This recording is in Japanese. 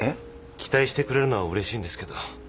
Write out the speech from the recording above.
期待してくれるのはうれしいんですけど。